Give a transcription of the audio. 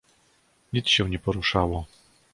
"Nic się nie poruszało."